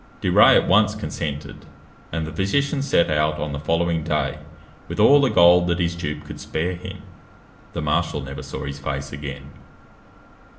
De Rays at once consented; and the physician set out on the following day with all the gold that his dupe could spare him. The marshal never saw his face again.